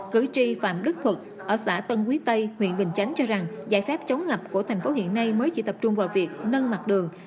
cử tri phạm đức thuật ở xã tân quý tây huyện bình chánh cho rằng giải pháp chống ngập của thành phố hiện nay mới chỉ tập trung vào việc nâng mặt đường